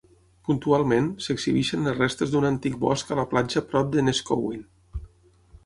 Puntualment, s'exhibeixen les restes d'un antic bosc a la platja prop de Neskowin.